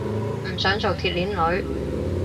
唔想做鐵鏈女